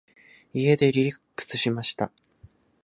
家でリラックスしました。